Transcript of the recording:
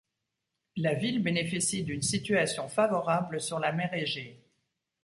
La ville bénéficie d'une situation favorable sur la mer Egée.